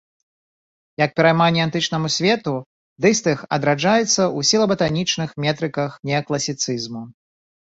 Як перайманне антычнаму свету дыстых адраджаецца ў сілаба-танічных метрыках неакласіцызму.